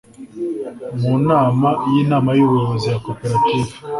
mu nama y'inama y'ubuyobozi ya koperative